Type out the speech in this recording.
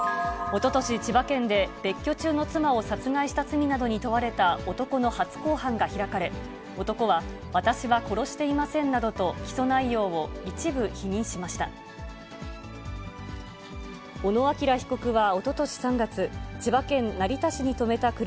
おととし、千葉県で、別居中の妻を殺害した罪などに問われた男の初公判が開かれ、男は、私は殺していませんなどと、起訴内容を一部否認しました。